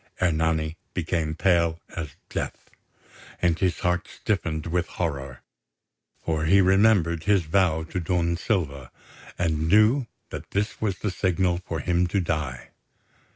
Ernani became pale as death, and his heart stiffened with horror; for he remembered his vow to Don Silva, and knew that this was the signal for him to die.